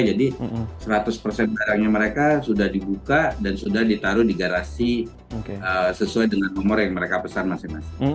jadi seratus barangnya mereka sudah dibuka dan sudah ditaruh di garasi sesuai dengan nomor yang mereka pesan masing masing